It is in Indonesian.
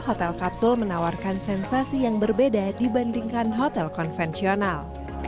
hotel kapsul menawarkan sensasi yang berbeda dibandingkan hotel konvensional